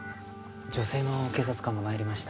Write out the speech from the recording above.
女性の警察官が参りました。